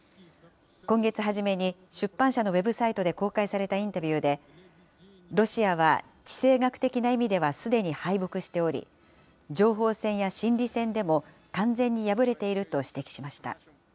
今月初めに出版社のウェブサイトで公開されたインタビューで、ロシアは地政学的な意味ではすでに敗北しており、情報戦や心理戦でも完全に敗れていると指摘しました。